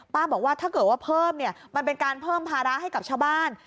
บอกว่าถ้าเกิดว่าเพิ่มเนี่ยมันเป็นการเพิ่มภาระให้กับชาวบ้าน